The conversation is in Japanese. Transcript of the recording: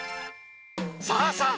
さあさあ